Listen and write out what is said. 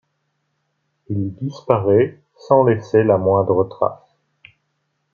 Il y disparaît sans laisser la moindre trace.